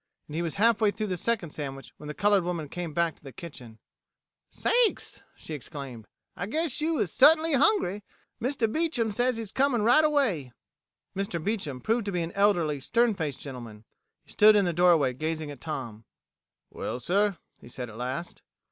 And he was halfway through the second sandwich when the colored woman came back to the kitchen. "Sakes!" she exclaimed. "I guess you is suh tainly hungry. Mr. Beecham he's coming right away." Mr. Beecham proved to be an elderly, stern faced gentleman. He stood in the doorway gazing at Tom. "Well, sir," he said at last.